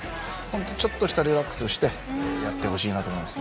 あとはちょっとしたリラックスをしてやってほしいと思います。